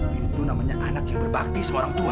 yaitu namanya anak yang berbakti sama orang tua